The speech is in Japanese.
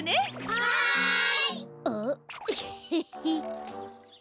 はい！